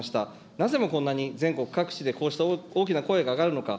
なぜもこんなに全国各地でこうした大きな声が上がるのか。